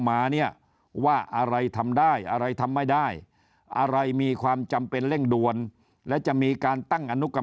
มาเนี่ยว่าอะไรทำได้อะไรทำไม่ได้อะไรมีความจำเป็นเร่งด่วนและจะมีการตั้งอนุกรรม